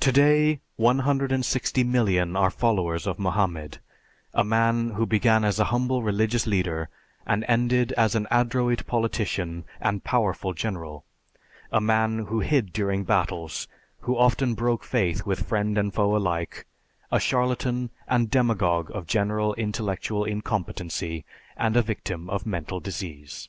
Today, 160,000,000 are followers of Mohammed, a man who began as a humble religious leader, and ended as an adroit politician and powerful general; a man who hid during battles, who often broke faith with friend and foe alike, a charlatan and demagogue of general intellectual incompetency, and a victim of mental disease.